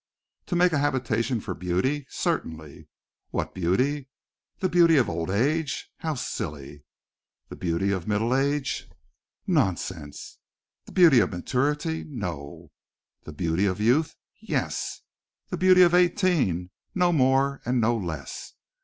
To make a habitation for beauty? Certainly! What beauty? The beauty of old age? How silly! The beauty of middle age? Nonsense! The beauty of maturity? No! The beauty of youth? Yes. The beauty of eighteen. No more and no less.